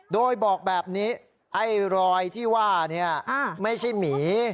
โดยบอกแบบนี้ไอ้รอยที่ว่าไม่ใช่หมี